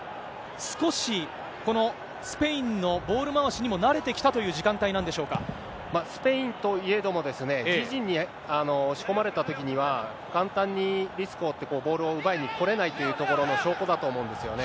少し、このスペインのボール回しにも慣れてきたという時間帯なんでしょスペインといえどもですね、自陣に押し込まれたときには、簡単にリスクを負って、ボールを奪いに来れないというところの証拠だと思うんですよね。